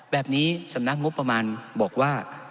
แบบนี้สำนักงบประมาณบอกว่า